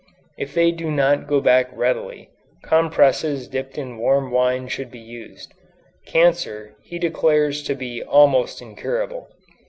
If they do not go back readily, compresses dipped in warm wine should be used. Cancer he declares to be almost incurable.